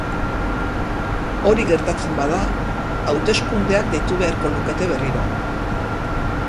Hori gertatzen bada, hauteskundeak deitu beharko lukete berriro.